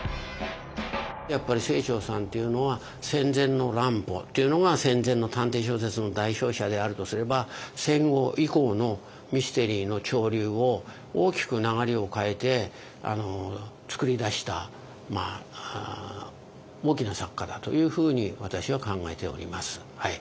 やっぱり清張さんっていうのは戦前の乱歩っていうのが戦前の探偵小説の代表者であるとすれば戦後以降のミステリーの潮流を大きく流れを変えて作り出した大きな作家だというふうに私は考えております。